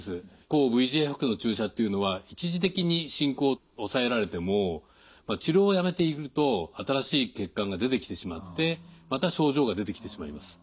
抗ＶＥＧＦ薬の注射っていうのは治療をやめていると新しい血管が出てきてしまってまた症状が出てきてしまいます。